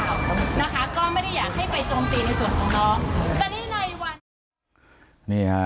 นะคะก็ไม่ได้อยากให้ไปโจมตีในส่วนของน้องแต่นี่ในวันนี้